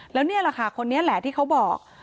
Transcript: แล้วนี่แหละค่ะคนนี้แหละที่เขาบอก